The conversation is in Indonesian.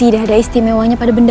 berikan makan ini kepada mereka